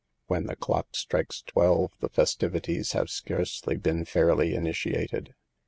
When the clock 52 SAVE THE GIRLS. strikes twelve the festivities have scarcely been fairly initiated.